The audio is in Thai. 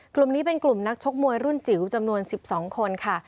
กลุ่มนี้เป็นกลุ่มนักชกมวยรุ่นจิ๋วจำนวน๑๒คนค่ะ